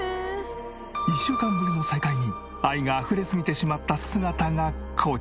１週間ぶりの再会に愛があふれすぎてしまった姿がこちら。